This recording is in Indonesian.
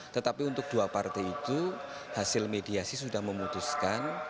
tetapi untuk dua partai itu hasil mediasi sudah memutuskan